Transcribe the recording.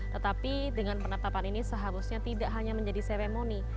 tetapi dengan penetapan ini seharusnya tidak hanya menjadi seremoni